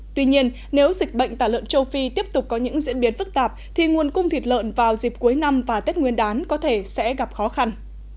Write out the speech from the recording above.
tuy nhiên nếu dịch bệnh tả lợn châu phi tiếp tục có những diễn biến phức tạp thì nguồn cung thịt lợn vào dịp cuối năm và tết nguyên đán có thể sẽ gặp khó khăn